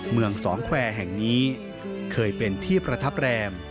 เมืองสองแควร์แห่งนี้เคยเป็นที่ประทับแรม